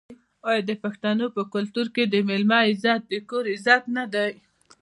آیا د پښتنو په کلتور کې د میلمه عزت د کور عزت نه دی؟